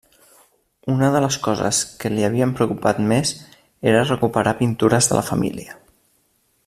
Una de les coses que li havien preocupat més era recuperar pintures de la família.